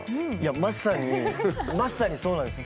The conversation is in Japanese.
まさにまさにそうなんですよ。